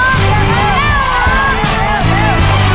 สวัสดีครับ